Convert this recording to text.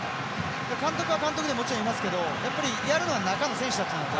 監督は監督でもちろんいますけどやっぱりやるのは中の選手たちなので。